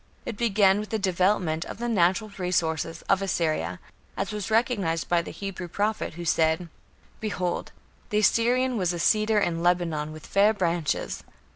It began with the development of the natural resources of Assyria, as was recognized by the Hebrew prophet, who said: "Behold, the Assyrian was a cedar in Lebanon with fair branches....